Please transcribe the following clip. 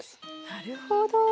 なるほど。